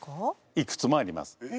いくつもあります。